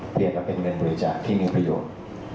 เรียกว่าเป็นเงินบริจาคที่มีประโยชน์